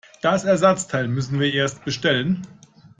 Das Ersatzteil müssten wir erst bestellen.